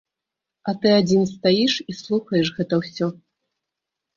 А ты адзін стаіш і слухаеш гэта ўсё.